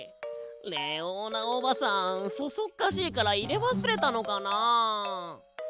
レオーナおばさんそそっかしいからいれわすれたのかな？